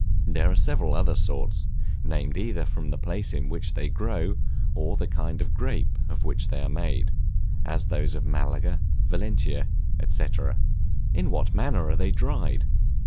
There are several other sorts, named either from the place in which they grow, or the kind of grape of which they are made, as those of Malaga, Valencia, &c. In what manner are they dried?